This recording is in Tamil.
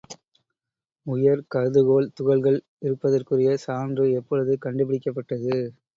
உயர் கருதுகோள் துகள்கள் இருப்பதற்குரிய சான்று எப்பொழுது கண்டுபிடிக்கப்பட்டது?